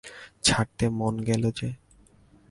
ছাড়তে মন গেল যে?